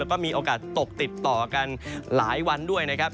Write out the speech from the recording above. แล้วก็มีโอกาสตกติดต่อกันหลายวันด้วยนะครับ